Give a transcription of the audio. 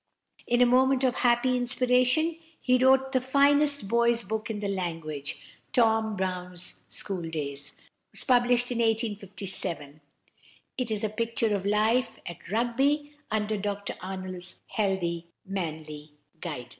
In a moment of happy inspiration, he wrote the finest boy's book in the language. "Tom Brown's School Days" was published in 1857. It is a picture of life at Rugby, under Dr Arnold's healthy, manly guidance.